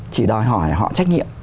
chỉ đòi hỏi họ trách nhiệm